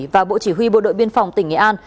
và bộ chỉ huy bộ đội biên phòng tỉnh nghệ an